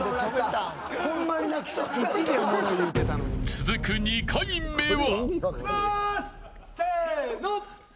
続く２回目は。